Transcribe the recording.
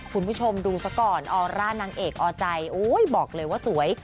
คุณผู้ชมดูซะก่อนออร่านางเอกออใจบอกเลยว่าสวย